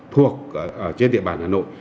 thuộc trên địa bàn hà nội